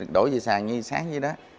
đổ về sàn như sáng như đó